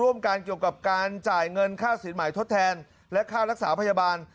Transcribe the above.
ร่วมกันเกี่ยวกับการจ่ายเงินค่าสินใหม่ทดแทนและค่ารักษาพยาบาล